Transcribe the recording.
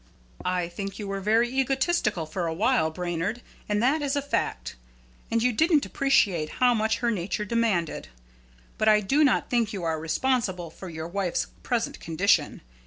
"I think you were very egotistical for a while, Brainard, and that is a fact. And you didn't appreciate how much her nature demanded. But I do not think you are responsible for your wife's present condition.